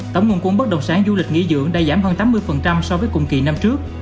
tổng nguồn cung bất động sản du lịch nghỉ dưỡng đã giảm hơn tám mươi so với cùng kỳ năm trước